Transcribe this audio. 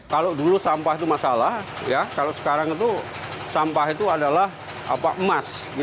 kalau dulu sampah itu masalah kalau sekarang itu sampah itu adalah emas